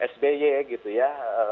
sby gitu ya